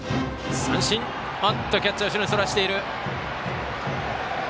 キャッチャー後ろにそらしている。